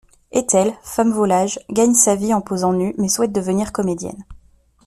Ethel, femme volage, gagne sa vie en posant nue mais souhaite devenir comédienne.